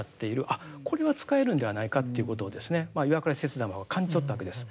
あっこれは使えるんではないかということを岩倉使節団は感じ取ったわけです。